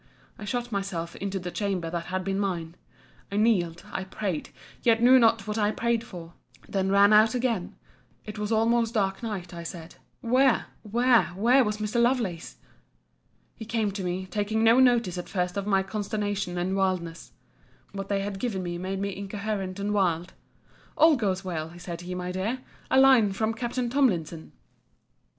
I shut myself into the chamber that had been mine; I kneeled, I prayed; yet knew not what I prayed for: then ran out again: it was almost dark night, I said: where, where, where was Mr. Lovelace? He came to me, taking no notice at first of my consternation and wildness, [what they had given me made me incoherent and wild:] All goes well, said he, my dear!—A line from Capt. Tomlinson!